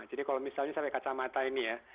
jadi kalau misalnya saya kacamata ini ya